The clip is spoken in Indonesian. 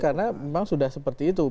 karena memang sudah seperti itu